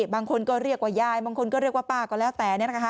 บางคนก็เรียกว่ายายบางคนก็เรียกว่าป้าก็แล้วแต่